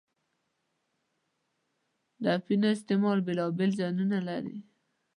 د اپینو استعمال بېلا بېل زیانونه لري.